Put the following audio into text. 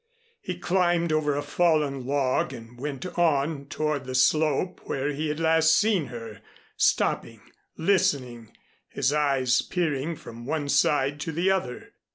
He climbed over a fallen log and went on toward the slope where he had last seen her, stopping, listening, his eyes peering from one side to the other.